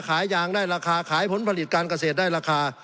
ขายยางได้ราคาขายผลผลิตการเกษตรได้ราคา